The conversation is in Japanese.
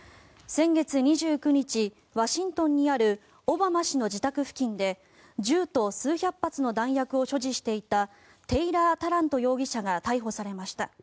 先月２９日、ワシントンにあるオバマ氏の自宅付近で銃と数百発の弾薬を所持していたテイラー・タラント容疑者が逮捕されました。